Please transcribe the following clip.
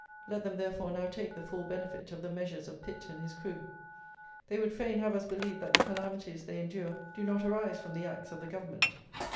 Let them, therefore, now take the full benefit of the measures of Pitt and his crew. They would fain have us believe that the calamities they endure do not arise from the acts of the Government.